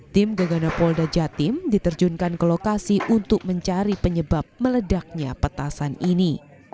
tim gegana polda jatim diterjunkan ke lokasi untuk mencari penyebab meledaknya petasan ini